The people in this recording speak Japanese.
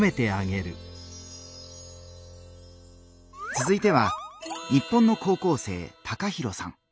つづいては日本の高校生タカヒロさん。